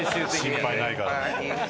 「心配ないからね」。